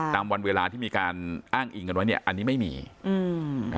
ตามวันเวลาที่มีการอ้างอิงกันไว้เนี่ยอันนี้ไม่มีอืม